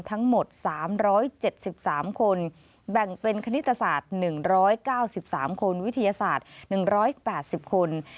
ทั้งหมด๓๗๓คนแบ่งเป็นคณิตศาสตร์๑๙๓คนวิทยาศาสตร์๑๘๐คน